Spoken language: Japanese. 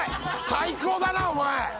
最高だなお前！